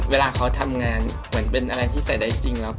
เวลาเขาทำงานเหมือนเป็นอะไรที่ใส่ได้จริงแล้ว